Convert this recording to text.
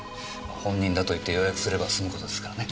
本人だと言って予約すれば済む事ですからね。